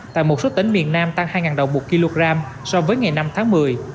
tại một số tỉnh miền nam tăng hai đồng một kg so với ngày năm tháng một mươi